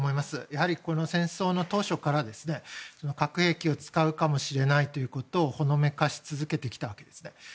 やはり、この戦争の当初から核兵器を使うかもしれないということをほのめかし続けてきたんですね。